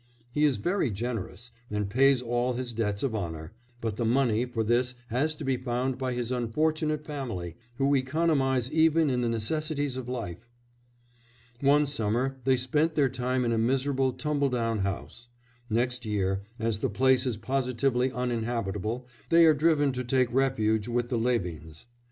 He is very generous, and pays all his debts of honour, but the money for this has to be found by his unfortunate family, who economise even in the necessities of life; one summer they spend their time in a miserable tumble down house; next year, as the place is positively uninhabitable, they are driven to take refuge with the Levins.